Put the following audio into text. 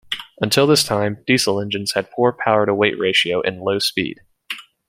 Until this time, Diesel engines had poor power-to-weight ratio and low speed.